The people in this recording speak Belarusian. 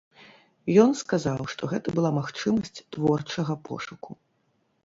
Ён сказаў, што гэта была магчымасць творчага пошуку.